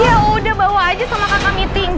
ya udah bawa aja sama kantong meeting